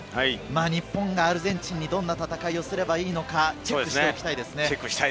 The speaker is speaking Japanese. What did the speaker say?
日本がアルゼンチンにどんな戦いをすればいいのか、チェックしておきたいですね。